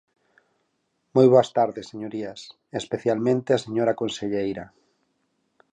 Moi boas tardes, señorías, e especialmente á señora conselleira.